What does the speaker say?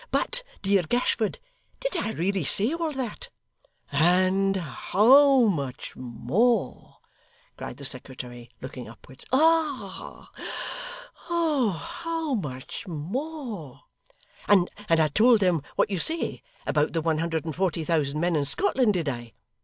'But dear Gashford did I really say all that?' 'And how much more!' cried the secretary, looking upwards. 'Ah! how much more!' 'And I told them what you say, about the one hundred and forty thousand men in Scotland, did I!